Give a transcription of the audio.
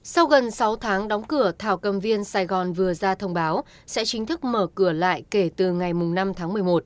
sau gần sáu tháng đóng cửa thảo cầm viên sài gòn vừa ra thông báo sẽ chính thức mở cửa lại kể từ ngày năm tháng một mươi một